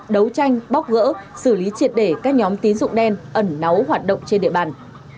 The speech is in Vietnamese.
đấu tranh bóc gỡ xử lý triệt để các nhóm tín dụng đen ẩn náu hoạt động trên địa bàn